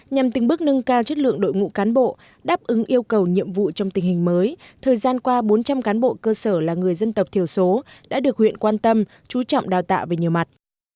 nhằm từng bước nâng cao chất lượng đội ngũ cán bộ đáp ứng yêu cầu nhiệm vụ trong tình hình mới thời gian qua bốn trăm linh cán bộ cơ sở là người dân tộc thiểu số đã được huyện quan tâm chú trọng đào tạo về nhiều mặt